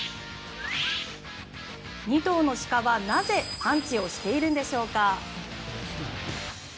２頭の鹿はなぜパンチをしているんでしょうか。